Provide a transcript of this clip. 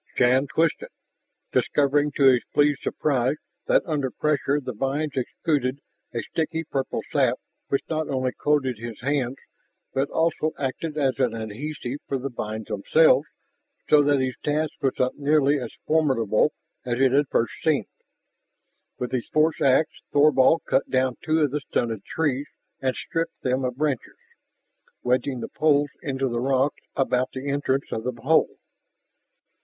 Shann twisted, discovering to his pleased surprise that under pressure the vines exuded a sticky purple sap which not only coated his hands, but also acted as an adhesive for the vines themselves so that his task was not nearly as formidable as it had first seemed. With his force ax Thorvald cut down two of the stunted trees and stripped them of branches, wedging the poles into the rocks about the entrance of the hole.